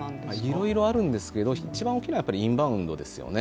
いろいろあるんですけど、一番大きいのはインバウンドですよね。